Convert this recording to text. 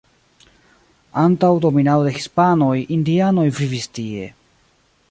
Antaŭ dominado de hispanoj indianoj vivis tie.